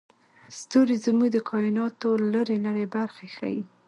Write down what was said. ستوري زموږ د کایناتو لرې لرې برخې ښيي.